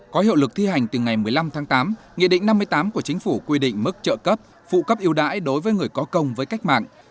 có hiệu lực thi hành từ ngày một mươi năm tháng tám nghị định năm mươi tám của chính phủ quy định mức trợ cấp phụ cấp yêu đãi đối với người có công với cách mạng